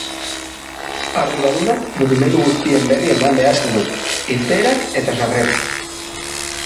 Arduradunak mugimendu guztien berri eman behar zuen, irteerak eta sarrerak.